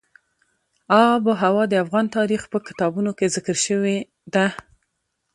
آب وهوا د افغان تاریخ په کتابونو کې ذکر شوې ده.